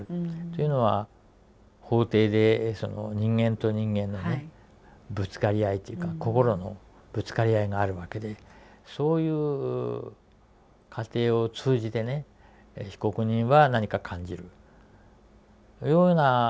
というのは法廷で人間と人間のねぶつかり合いというか心のぶつかり合いがあるわけでそういう過程を通じてね被告人は何か感じるようなことがあるはずだと。